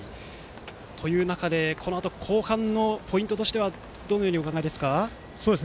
という中で、このあとの後半のポイントとしてはどのようにお考えですか？